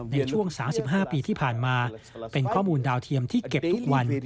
ในช่วง๓๕ปีที่ผ่านมาเป็นข้อมูลดาวเทียมที่เก็บทุกวัน